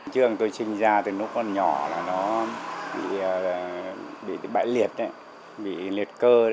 trường tôi sinh ra từ lúc con nhỏ là nó bị bãi liệt bị liệt cơ